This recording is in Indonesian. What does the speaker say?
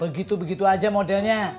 begitu begitu aja modelnya